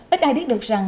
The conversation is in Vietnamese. ít ai biết được rằng